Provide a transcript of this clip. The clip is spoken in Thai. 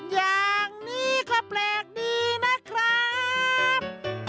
อย่างนี้ก็แปลกดีนะครับ